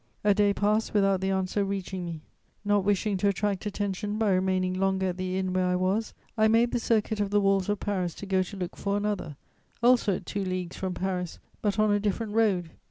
A day passed without the answer reaching me. Not wishing to attract attention by remaining longer at the inn where I was, I made the circuit of the walls of Paris to go to look for another, also at two leagues from Paris, but on a different road.